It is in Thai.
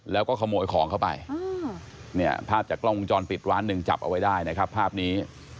แล้วก็ขโมยของเข้าไปเนี่ยภาพจากกล้องวงจรปิดร้านหนึ่งจับเอาไว้ได้นะครับภาพนี้